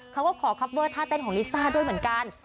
เขาก็ขอคอปเวอร์ท่าเต้นของลิซ่าด้วยเหมือนกัน